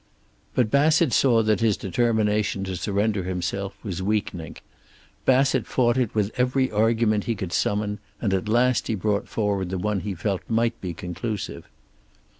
But Bassett saw that his determination to surrender himself was weakening. Bassett fought it with every argument he could summon, and at last he brought forward the one he felt might be conclusive.